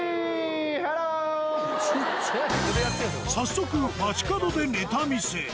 早速、街角でネタ見せ。